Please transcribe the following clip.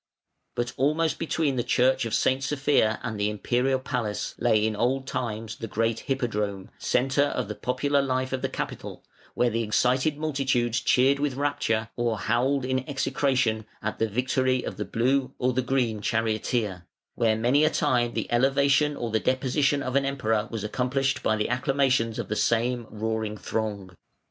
But almost between the Church of St. Sophia and the Imperial Palace lay in old times the Great Hippodrome, centre of the popular life of the capital, where the excited multitudes cheered with rapture, or howled in execration, at the victory of the Blue or the Green charioteer; where many a time the elevation or the deposition of an Emperor was accomplished by the acclamations of the same roaring throng.